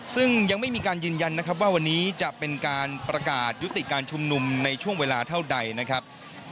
ซึ่งยังไม่มีการยืนยันนะครับว่าวันนี้จะเป็นการประกาศยุติการชุมนุมในช่วงเวลาเท่าใดนะครับ